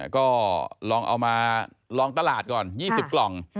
ก็ลองเอามาลองตลาดก่อน๒๐กล่อง